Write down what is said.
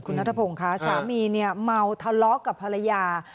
คุณนัทพงศ์ค่ะสามีเนี่ยเมาทะเลาะกับภรรยา